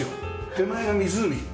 手前が湖。